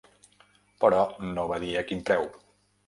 Però no va dir a quin preu.